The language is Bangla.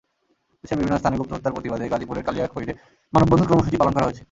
দেশের বিভিন্ন স্থানে গুপ্তহত্যার প্রতিবাদে গাজীপুরের কালিয়াকৈরে মানববন্ধন কর্মসূচি পালন করা হয়েছে।